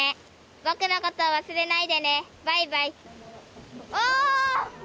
僕のこと忘れないでねバイバイ。